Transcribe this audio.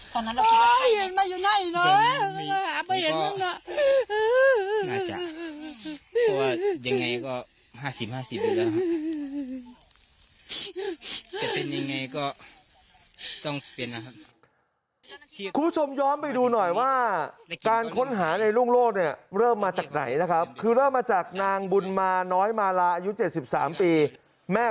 คุณผู้ชมย้อนไปดูหน่อยว่าการค้นหาในรุ่งโลศเนี่ยเริ่มมาจากไหนนะครับคือเริ่มมาจากนางบุญมาน้อยมาลาอายุ๗๓ปีแม่